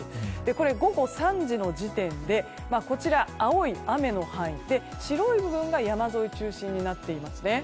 午後３時の時点で青い雨の範囲で白い部分が山沿いを中心になっていますね。